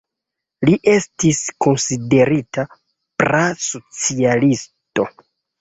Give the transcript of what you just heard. Li estis konsiderita pra-socialisto.